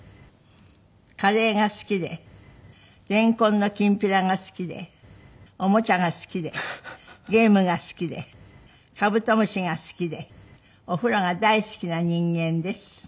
「カレーが好きでレンコンのきんぴらが好きでおもちゃが好きでゲームが好きでカブトムシが好きでお風呂が大好きな人間です」